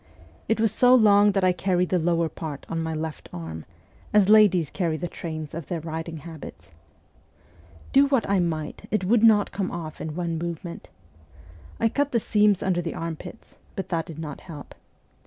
It was so long that I carried the lower part on my left arm, as ladies carry the trains of their riding habits. Do what I might, it would not come off in one movement. I cut the seams under the armpits, but that did not help.